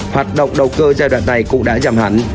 hoạt động đầu cơ giai đoạn này cũng đã giảm hẳn